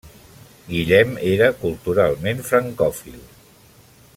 Guillem era culturalment francòfil.